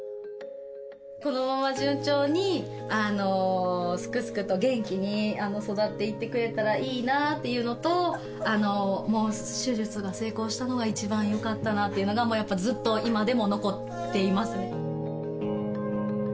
このまま順調に、すくすくと元気に育っていってくれたらいいなっていうのと、もう手術が成功したのが一番よかったなっていうのが、もうやっぱ、ずっと今でも残っていますね。